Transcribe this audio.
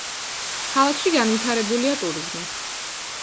ქალაქში განვითარებულია ტურიზმი.